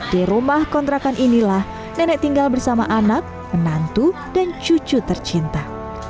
di rumah kontrakan inilah nenek tinggal bersama anak menantu dan cucu tercinta